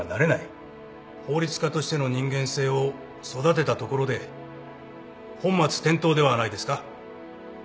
法律家としての人間性を育てたところで本末転倒ではないですか？